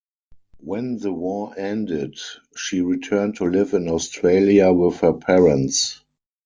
When the war ended, she returned to live in Australia with her parents.